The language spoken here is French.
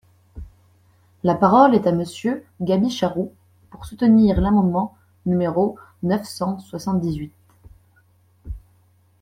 La parole est à Monsieur Gaby Charroux, pour soutenir l’amendement numéro neuf cent soixante-dix-huit.